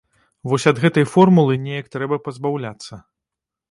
Вось ад гэтай формулы неяк трэба пазбаўляцца.